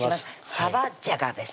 「サバじゃが」です